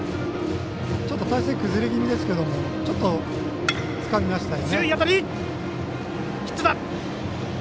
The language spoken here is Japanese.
ちょっと体勢崩れ気味ですがちょっと、つかみましたね。